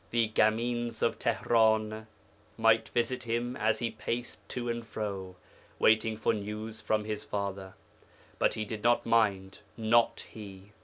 The gamins of Tihran (Teheran) might visit him as he paced to and fro, waiting for news from his father, but he did not mind not he.